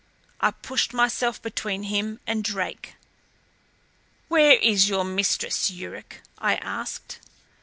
I pushed myself between him and Drake. "Where is your mistress, Yuruk?" I asked.